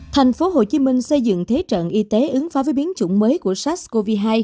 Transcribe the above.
thành phố hồ chí minh xây dựng thế trận y tế ứng phó với biến chủng mới của sars cov hai